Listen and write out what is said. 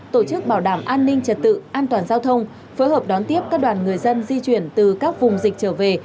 tổ chức bảo đảm an ninh trật tự an toàn giao thông phối hợp đón tiếp các đoàn người dân di chuyển từ các vùng dịch trở về